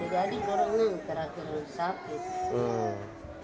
jadi koronan terakhir sakit